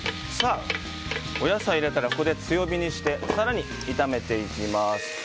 お野菜を入れたらここで強火にして更に炒めていきます。